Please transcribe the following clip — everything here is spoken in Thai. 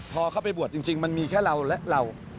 พอเข้าไปบวชจริงมันมีแค่เราและเรา